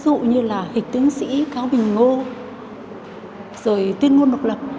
ví dụ như là hịch tướng sĩ cao bình ngô rồi tuyên nguôn độc lập